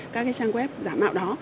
các cái trang web giả mạo đó